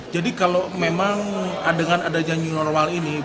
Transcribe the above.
jadi kalau memang dengan adanya new normal ini